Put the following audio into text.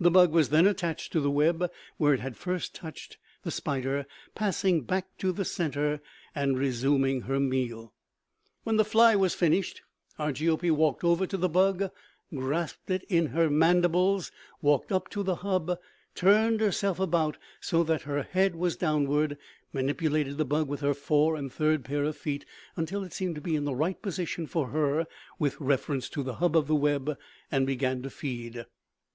The bug was then attached to the web where it had first touched, the spider passing back to the center and resuming her meal. "When the fly was finished, Argiope walked over to the bug, grasped it in her mandibles, walked up to the hub, turned herself about so that her head was downward, manipulated the bug with her fore and third pair of feet until it seemed to be in right position for her with reference to the hub of the web, and began to feed.